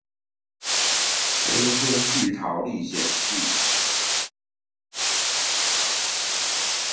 飛天巨桃歷險記